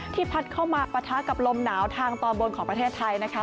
พัดเข้ามาปะทะกับลมหนาวทางตอนบนของประเทศไทยนะคะ